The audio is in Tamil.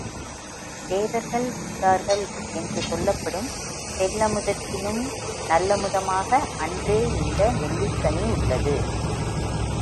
தேவர்கள் உண்டார்கள் என்று சொல்லப்படும் தெள்ளமுதத்தினும் நல்லமுதமாக அன்றே இந்த நெல்லிக்கனியுள்ளது!